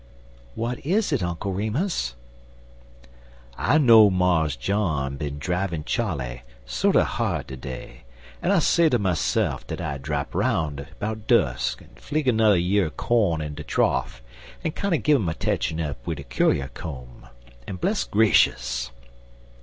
"What is it, Uncle Remus?" "I know Mars John bin drivin' Cholly sorter hard ter day, en I say ter myse'f dat I'd drap 'round 'bout dus' en fling nudder year er corn in de troff en kinder gin 'im a techin' up wid de kurrier koam; en bless grashus!